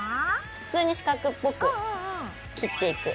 普通に四角っぽく切っていく。